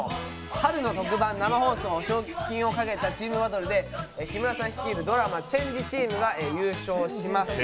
春の特番生放送の賞金を懸けたチームバトルで、木村さん率いるドラマ「ＣＨＡＮＧＥ」チームが優勝します。